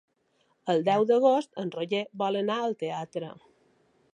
El deu d'agost en Roger vol anar al teatre.